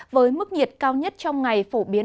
với mức nhiệt cao nhất trong ngày